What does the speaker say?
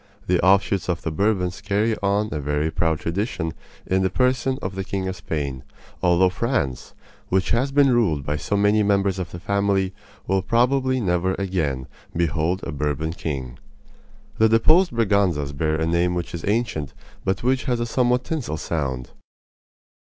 The offshoots of the Bourbons carry on a very proud tradition in the person of the King of Spain, although France, which has been ruled by so many members of the family, will probably never again behold a Bourbon king. The deposed Braganzas bear a name which is ancient, but which has a somewhat tinsel sound.